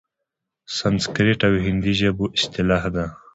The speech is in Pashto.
سنسکریت او هندي ژبو اصطلاح ده؛